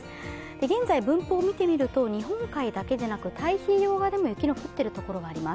現在、分布を見てみると、日本海だけでなく太平洋側でも雪の降っているところがあります。